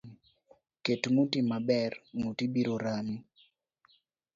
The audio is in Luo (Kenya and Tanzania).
Ket nguti maber ,nguti biro Rami.